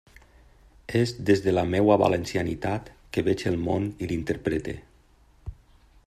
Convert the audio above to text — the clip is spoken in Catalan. És des de la meua valencianitat que veig el món i l'interprete.